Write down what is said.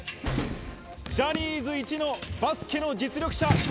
ジャニーズ一のバスケの実力者。